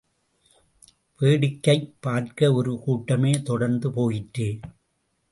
வேடிக்கைப் பார்க்க ஒரு கூட்டமே தொடர்ந்து போயிற்று.